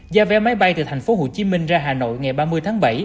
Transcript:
giá vé máy bay từ thành phố hồ chí minh ra hà nội ngày ba mươi tháng bảy